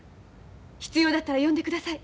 必要だったら呼んでください。